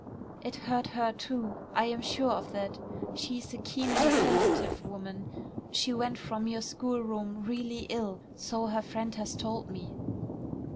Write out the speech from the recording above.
"It hurt her, too; I am sure of that. She is a keenly sensitive woman. She went from your schoolroom really ill, so her friend has told me."